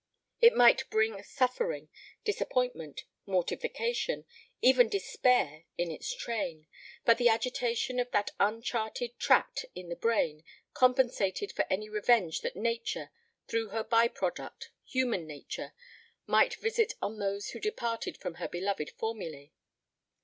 It might bring suffering, disappointment, mortification, even despair in its train, but the agitation of that uncharted tract in the brain compensated for any revenge that nature, through her by product, human nature, might visit on those who departed from her beloved formulae.